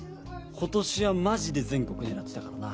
今年はマジで全国狙ってたからな。